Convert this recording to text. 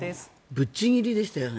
ぶっちぎりでしたよね。